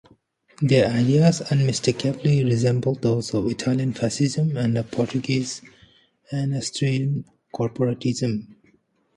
Their ideas unmistakably resembled those of Italian fascism and Portuguese and Austrian corporatism.